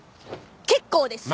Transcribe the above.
結構です！